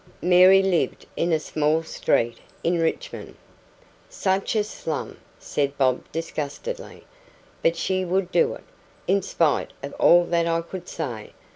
Mary lived in a small street in Richmond. "Such a slum!" said Bob disgustedly. "But she would do it, in spite of all that I could say.